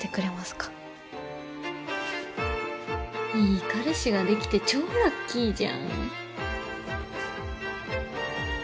いい彼氏ができて超ラッキーじゃん。